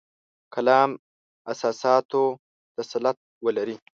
کلام اساساتو تسلط ولري.